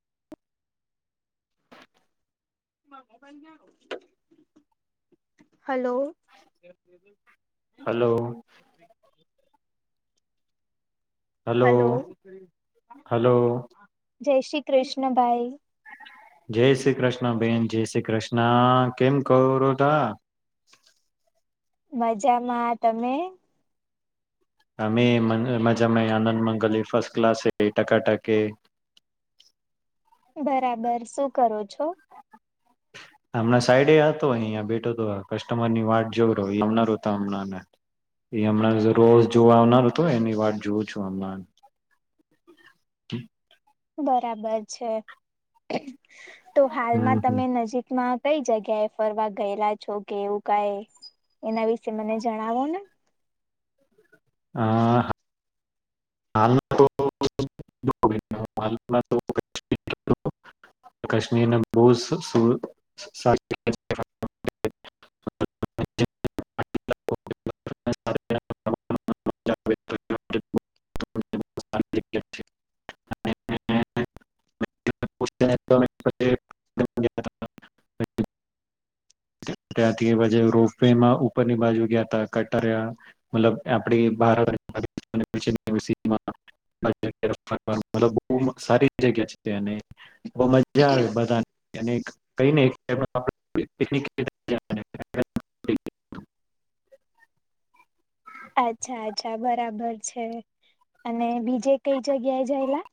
[inaudible] [inaudible] હાલો. Hello hello hello. Hello જય શ્રી કૃષ્ણ ભાઈ. જય શ્રી કૃષ્ણ બેેન, જય શ્રી કૃષ્ણ. કેમ કરોરો તા? મજામાં તમે. અમેય મજામાંય આનંદ મંગલ ફસ્ટ ક્લાસ એ ટકાટાકે. બરાબર શું કરો છો. હમણાં સાઈડે હતો અહીંયા બેઠો હતો કસ્ટમર ની વાટ જો રહો એ આવનાર હતો હમણાં એ હમણાં રોજ જોવા આવનાર હતો એની વાટ જોઉં છું હમણાં. [inaudible] બરાબર છે. તો હાલમાં હમ હમ તમે નજીકમાં... કઈ જગ્યાએ ફરવા ગયેલા છો કે એવું કઈ એના વિશે મને જણાવો ને. હ હ હાલમાં તો [inaudible] હાલમાં તો કાશ્મીર ગયો, કશ્મીર ને બોવ સારી રીતે [inaudible] [inaudible] ત્યાંથી પછી રોપ વેમાં ઉપરની બાજુ ગયા તા કટારિયા મતલબ આપડી [inaudible] સારી જગ્યા છે ત્યાની. બો મજા આવે બધાને. એને કઈ ને [inaudible] પિકનિક [inaudible] અચ્છા અચ્છા બરાબર છે, અને બીજે કઈ જગ્યાએ જયેલા.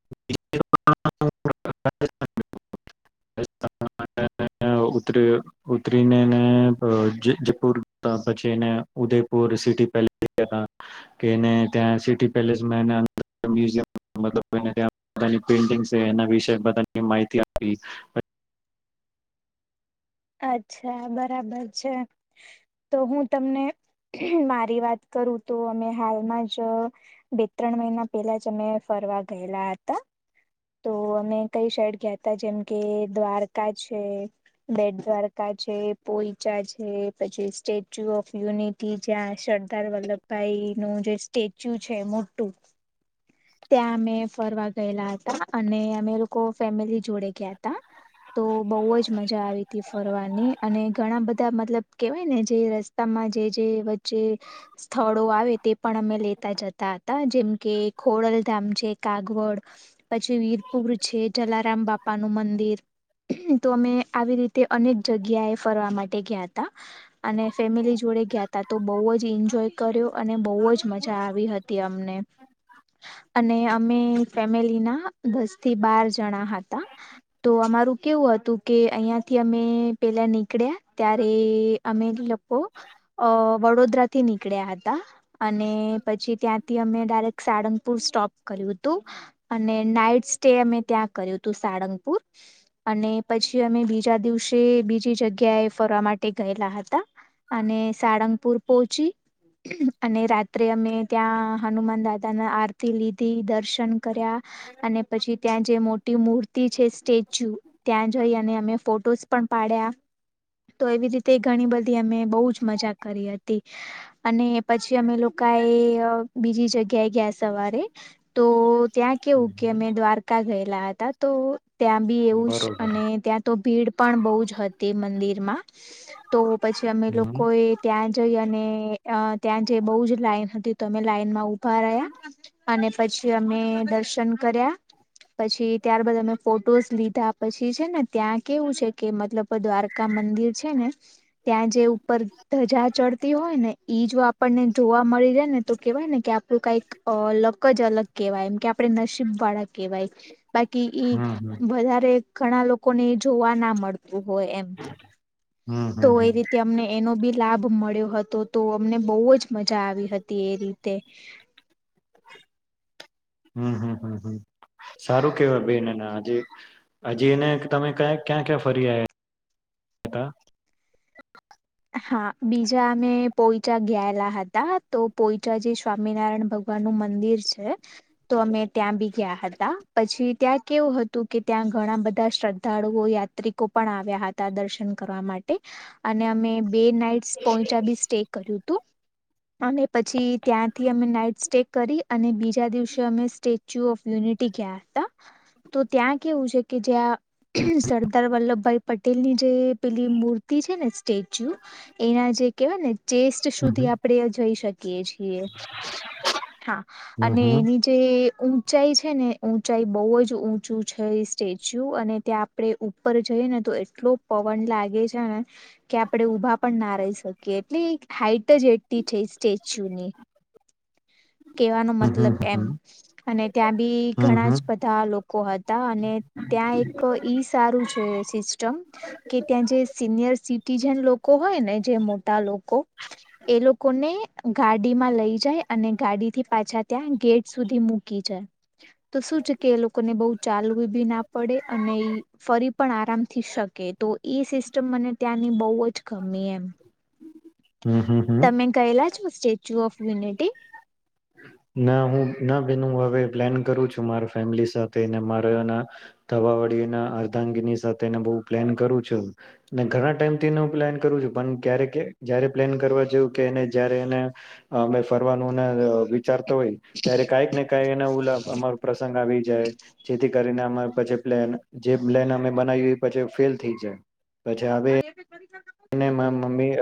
[inaudible] [inaudible] ઉતરી ઉતરીનેને જપુર પછી ને ઉદયપુર સિટી પેલેસ કેને ત્યાં સિટી પેલેસમાં એને મ્યુઝિયમ પેઈન્ટીંગ્સ એના વિશે માહિતી આપવી. અચ્છા બરાબર છે, તો હું તમને મારી વાત કરું તો અમે હાલમાં જ બે ત્રણ મહિના પેલા જ અમે ફરવા ગયેલા હતા, તો અમે કઈ સાઈડ ગયા હતા જેમ કે દ્વારકા છે... બેટ દ્વારકા છે, પોઈચા છે, પછી સ્ટેચ્યુ ઓફ યુનિટી જ્યાં સરદાર વલ્લભભાઈ નું જે સ્ટેચ્યુ છે મોટું... ત્યાં અમે ફરવા ગયેલા હતા, અને અમે લોકો ફેમિલી જોડે ગયાતા તો બહુ જ મજા આવીતી ફરવાની અને ઘણા બધા મતલબ કેવાય ને જે રસ્તામાં જે જે વચ્ચે સ્થળો આવે, તે પણ અમે લેતા જતા હતા, જેમ કે... ખોડલધામ છે, કાગવડ પછી વીરપુર છે જલારામ બાપાનું મંદિર, તો અમે આવી રીતે અનેક જગ્યાએ ફરવા માટે ગયાતા અને ફેમિલી જોડે ગયાતા તો બહુ જ એન્જોય કર્યો અને બહુ જ મજા આવી હતી અમને. અને અમે ફેમિલીના દસ થી બાર જણા હતા તો અમારું કેવું હતું કે અહીંયાથી અમે પેલા નીકળ્યા ત્યારે અમે લોકો અ વડોદરા થી નીકળ્યા હતા અને પછી ત્યાંથી અમે ડાયરેક્ટ... સાળંગપુર સ્ટોપ કર્યું હતું, અને નાઈટ સ્ટે અમે ત્યાં કર્યું હતું, સાળંગપુર અને પછી અમે બીજા દિવસે બીજી જગ્યાએ ફરવા માટે ગયેલા હતા, અને સાળંગપુર પહોચી અને રાત્રે અમે ત્યાં હનુમાન દાદ આરતી લીધી, દર્શન કર્યા, અને પછી ત્યાં જે મોટી મૂર્તિ છે સ્ટેચ્યુ ત્યાં જઈ અને અમે ફોટોસ પણ પાડ્યા, તો એવી રીતે ઘણી બધી અમે બહુ જ મજા કરી હતી, અને પછી અમે લોકાએ બીજી જગ કે ગયા સવારે તો... ત્યાં કેવું કે અમે દ્વારકા ગયેલા હતા... તો... ત્યાં બી એવું જ બરોબર અને ત્યાં તો ભીડ... પણ બહુ જ હતી મંદિરમાં તો... પછી અમે હમ લોકો એ ત્યાં જઈ અને... ત્યાં જે બહુ જ લાઈન હતી, તો અમે લાઈનમાં ઉ ઉભા રયા અને પછી અમે દર્શન કર્યા પછી ત્યારબાદ અમે ફોટોસ લીધા પછી છેને ત્યાં કેવું છે કે મતલબ દ્વારકા મંદિર છે ને, ત્યાં જે ઉપર ધજા ચડતી હોય ને ઈ જો આપણને જોવા મળી રહે ને તો કેવાય ને કે આ... કાંઈક લક જ અલગ ક્હેવાય, એમ કે આપડે નસીબ વાળા ક્હેવાય. બાકી ઈ હમ હમ વધારે... ઘણા લોકોને એ જોવા ના મળતું હોય એમ હમ તો એ હમ રીતે અમને એનો બી લાભ મળ્યો હતો તો અમને બહુ જ મજા આવી હતી એ રીતે. [inaudible] હમ હમ હમ હમ સારું કેવાય બેન એને હજી હજી એને તમે ક ક્યાં ક્યાં ફર્યાયા. હા બીજા અમે પોઈચા ગયેલા હતા તો પોઈચા જે સ્વામિનારાયણ ભગવાન નું મંદિર છે, તો અમે ત્યાં બી ગયા હતા, પછી ત્યાં કેવું હતું કે ત્યાં ઘણા બધા શ્રદ્ધાળુઓ યાત્રિકો પણ આવ્યા હતા દર્શન કરવા માટે અને અમે... બે નાઈટસ પોઈચા બી સ્ટે કર્યું હતું, અને પછી ત્યાંથી અમે નાઈટ સ્ટે કરી અને બીજા દિવસે અમે સ્ટેચ્યુ ઓફ યુનિટી ગયા હતા, તો ત્યાં કેવું છે કે હમ જ્યાં સરદાર વલ્લભભાઈ પટેલની જે પેલી મૂર્તિ છે ને સ્ટેચ એના જે કહેવાય ને ચેસ્ટ સુધી આપણે જઈ શકીયે છીએ, હા હમ અને હમ એની જે ઊંચાઈ છે ને ઊંચાઈ બહુ જ ઊંચું છે એ સ્ટેચ્યુ, અને ત્યાં આપડે ઉપર જઈએ ને તો એટલો પવન લાગે છે ને... કે આપડે ઉભા પણ ના રહી શકીએ, એટલે હાઈટ જ એટલી છે એ સ્ટેચ્યુ ની, કેવાનો હમ હમ મતલબ એમ, હમ અને ત્યાં બી હમ હમ ઘણા જ બધા લોકો હતા, અને ત્યાં એક ઈ સારું છે સિસ્ટમ કે ત્યાં જે સિનિયર સિ ટીઝન લોકો હોય ને જે મોટા લોકો એ લોકોને ગાડીમાં લઈ જાય અને ગાડી થી પાછા ત્યાં ગેટ સુધી મૂકી જાય, તો શું છે કે એ લોકોને બહુ ચાલવું બી ના પડે અને એ ફરી પણ આરામથી શકે તો એ સિસ્ટમ મને... ત્યાંની બહુ જ ગમી એમ. હમ હમ હમ તમે કહેલા છો સ્ટેચ્યુ ઓફ યુનિટી ના હું ના ભન હ હવે પ્લાન કરું છું મારા ફેમિલી સાથે મારા એના ધવાવાડીના અર્ધાંગીની સાથેને બહ પ્લેન કરું છું ને ઘણા ટાઈમ થી હું પ્લાન કરું છું પણ ક્યારે જયારે પ્લેન કરવા જેવું કે એને જયારે એને અ ફરવાનું વિચારતો હોય ત્યારે કઈક ને કક એ અમા પ્રસંગ આવી જેથી કરીને અ પછ પ્લેન જે પ્લેન અમે બનાવી પછી ફેલ થઈ જાય પછી હવે અને એરી મમ્મી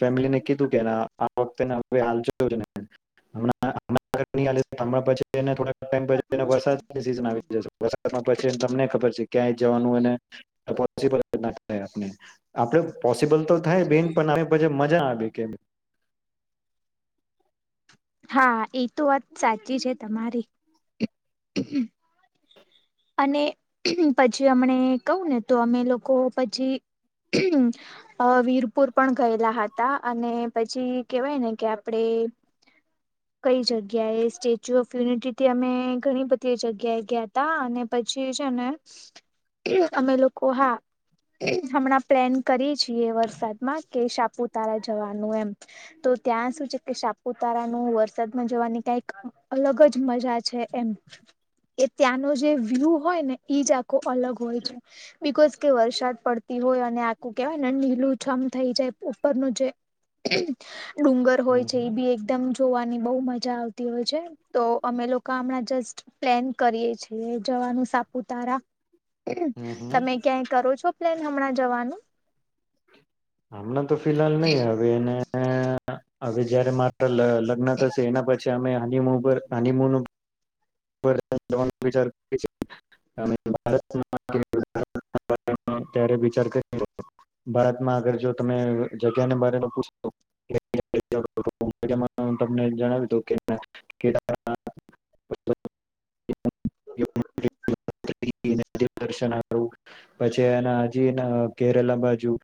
ફેમિલીને કીધું કે આ વખતેને હવે હાલ જોયું ં ઘણાં પછ થો છી વરસાદની સિઝન આવી જશે વરસાદમાં પછી તમને ખબર છે ક્યાંય જવાનું અને પોસિબલ ના થાય આપને આપડ પબલ તો થાય બેન પણ પછ મજા આવે કે હા એ તો વાત સાચી છે તમારી અને પછી અમને કવું ને તો અમે લોકો પછી વીરપુર પણ ગયેલા હતા અને પછી કેવાય ને કે આપડે કઈ જગ્યાએ સ્ટેચ્યુ ઓફ યુનિટીથી અમે ઘણી બધી જગ્યાએ ગયા ત અને પછી છે ને અમે લોકો હા હમણાં પ્લેન કરીએ છીએ વરસાદમાં કે સાપુતારા જવાનું એમ તો ત્યાં શું છે કે સાપુતારાનું વરસાદમાં જવાની કઈક અલગ જ મજા છે એમ એ ત્યાંનો જે વ્યૂ હોય ને એઈ જ આખો અલગ હોય છે બકોઝ કે વરસાદ પડતી હોય અને આખું કેહેવાય ને નીલું છમ થઈ જાય ઉપરનું જે ડુંગર હોય હમ છે એ બી એકદમ જોવાની બહુ મજા આવતી હોય છે તો અમે લોકો હમણાં જસ્ટ પ્લેન કરીએ છીએ જવાનું સાપુતારા હમ તમે ક્યાંય કરો છો પન હમણાં જવાનું હમણાં તો ફિહાલ નહી હવે એને હવે જયારે મારા લગ્ન થશે એના પછી અમે હનીમ હનીમ વિચાર આગ જો તમે જગ્યાને બ પછ તમને જણાવી દઉ કેન પછી એના હજી કેરલા બાજુ [inaudible] તમે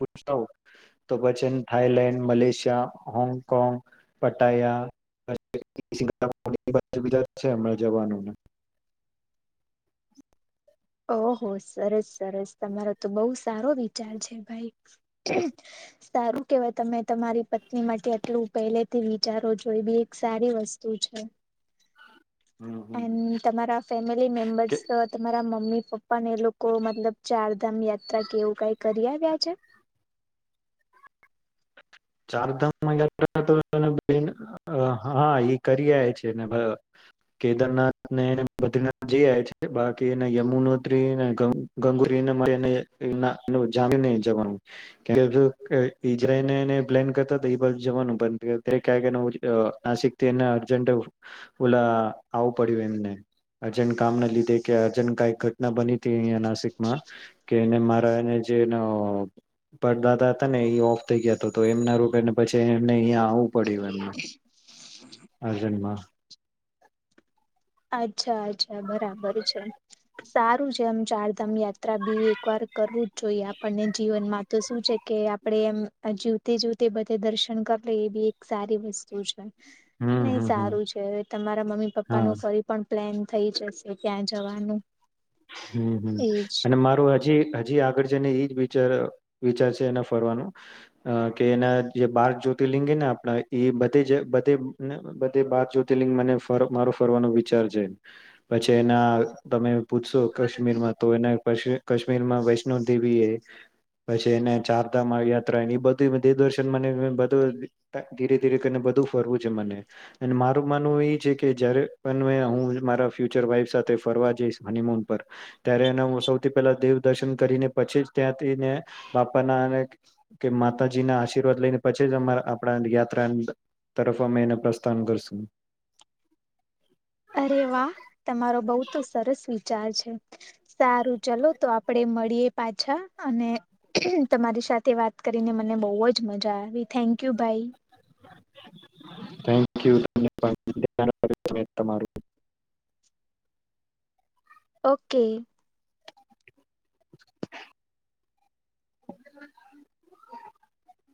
પૂછો તો બચન Thailand Malaysia Hong Kong Pattaya Singapore એ બાજુ બજા છે જવાનોોને ઓહ સરસ સરસ તમારો તો બહ સારો વિચાર છે ભાઈ સારું કેવાય તમે તમારી પત્ની માટે આટલું પહેલેથી વિચારો જો બી એક સારી વસ્તુ છે હમ એ હમ કે તમારા ફેમિલી મેમ્બર્સ તો તમારા મમ્મી પપ્પા ને એ લોકો મતલબ ચારધામ યાત્રા કેવું કઈ કરી આવ્યા છે ચારધામયાત્ર હા એ કરી છેને કેદારનાથ ને બદ્રીનાથ જઈ આવે છે બાકી એને યમુનોત્રીને ગંગુરીને જામી જવાનું ઈજરાયને વાિકથીજ ઓલા આવું પડ્યું એમનેજ કામ ના લીધે ક ઘટના બની નાસિકમાં કે મારા એ જે પરદાદા હતા ને એ ઓફ થઈ ગયા તો એમના રોગ ને પછી એમને અયા આવું પડ્યું એમને હ જન્માં અચ્છા અચ્છા બરાબર છે સારું છે આમ ચારધામ યાત્રા બી એકવાર કરવું જ જોઈએ આપણને જીવનમાં તો શું છે કે આપડે એમ જીવતે જીવતે બધે દર્શન કરી લે એ બી એક સારી વસ્તુ છે હમ નઈ હમ હમ સારું છે તમારા મમ્મી પપ્પા ન હા પણ પ્લેન થઈ જશે ત્યાં જવાનું હમ હમ એજ અને મારું હજી હજી આગળ છેને એ જ વિચાર વિચાર છે એના ફરવાનો કે એના જે બાર જ્યોતિર્લિંગ ને આપણા એ બધ બધ બધે બાર જ્યોતિર્લિંગ મને મારો ફરવાનો વિચાર છે પછી એના તમે પૂછશો કાશ્મીરમાં તો એ કાશ્મીર માં વૈષ્ણો દેવી એ પછી એને ચારધામમાં યાત્રા એ એ બધુંધે દર્શન મને ત બધું ધીરે ધીરે કરીને બધું ફરવું છે મને અને મારું માનવું એ છે કે જયારે પણ હું મારા ફ્યુચર વાઈફ સાથે ફરવા જઈશ હનીમોન ત્યારે એ હ સૌથી પહેલા દેવ દર્શન કરીને પછી ત્યાંથીને બાપાના કે માતાજીના આશીર્વાદ લઈને પછી આપણા યાત્રા તરફ અમે એને પ્રસ્થાન કરશું અરે વાહ તમારો બઉ તો સરસ વિચ સારું ચલો તો આપડે મળીએ પાછા અને તમારી સાથે વાત કરીને મને બહુ જ મજા આવી થેન્ક યુ ભાઈ થક ય તમા ઓકે [inaudible] [inaudible]